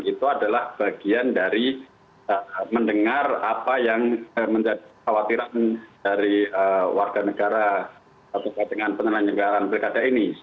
itu adalah bagian dari mendengar apa yang menjadi khawatiran dari warga negara terkait dengan penyelenggaraan pilkada ini